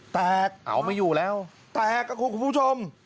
แตกเอาไม่อยู่แล้วแตกครับคุณผู้ชม